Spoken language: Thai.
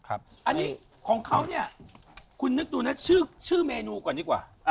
อันนี้ของเขาเนี่ยคุณนึกดูนะชื่อเมนูก่อนดีกว่า